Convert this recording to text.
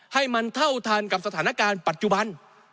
ให้มันเท่าทันกับสถานการณ์ปัจจุบัน